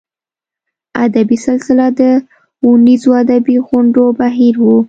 ادبي سلسله د اوونیزو ادبي غونډو بهیر و.